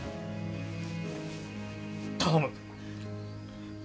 頼む！